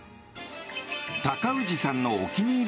高氏さんのお気に入り